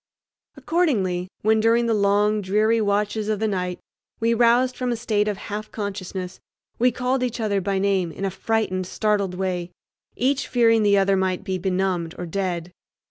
Accordingly, when during the long, dreary watches of the night we roused from a state of half consciousness, we called each other by name in a frightened, startled way, each fearing the other might be benumbed or dead.